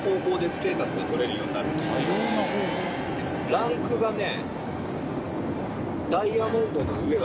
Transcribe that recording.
ランクがね。